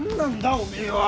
おめえは。